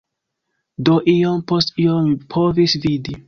Do iom post iom mi povis vidi: